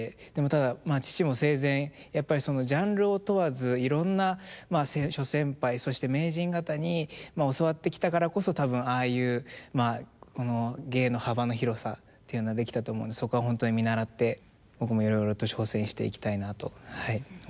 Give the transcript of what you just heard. ただ父も生前やっぱりジャンルを問わずいろんな諸先輩そして名人方に教わってきたからこそ多分ああいう芸の幅の広さというのはできたと思うのでそこは本当に見習って僕もいろいろと挑戦していきたいなとはい思います。